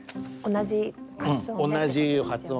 同じ発音。